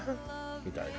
みたいな。